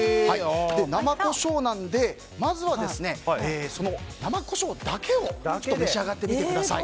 生コショウなのでまずは生コショウだけを召し上がってみてください。